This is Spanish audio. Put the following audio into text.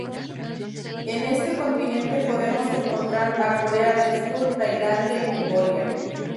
En este continente podemos encontrar a Corea del Sur, Tailandia y Mongolia.